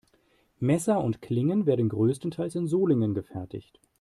Messer und Klingen werden größtenteils in Solingen gefertigt.